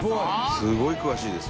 「すごい詳しいです」